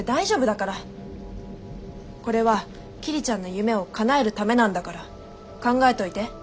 これは桐ちゃんの夢をかなえるためなんだから考えといて。